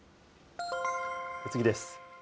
次です。